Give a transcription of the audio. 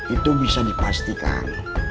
itu bisa dipastikan